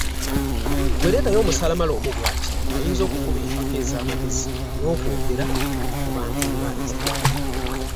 Ggwe leetayo omusalamala omu bwati ayinza okukuba empaka ez’amagezi n’okwogera mu bantu nga nze.